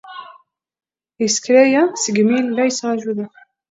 Yesker aya segmi i la yettṛaju da.